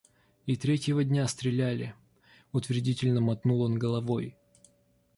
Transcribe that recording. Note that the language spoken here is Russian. И третьего дня стреляли, — утвердительно мотнул он головой.